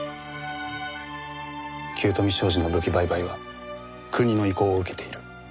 九斗美商事の武器売買は国の意向を受けている。